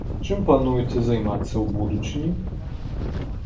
Чым плануеце займацца ў будучыні?